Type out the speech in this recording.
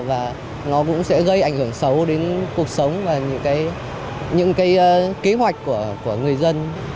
và nó cũng sẽ gây ảnh hưởng xấu đến cuộc sống và những cái kế hoạch của người dân